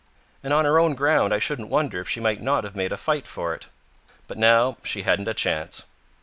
And on her own ground I shouldn't wonder if she might not have made a fight for it. But now she hadn't a chance.